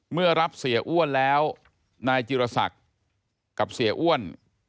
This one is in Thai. เมื่อรับเสียอ้วนแล้วนายจิรศักดิ์กับเสียอ้วน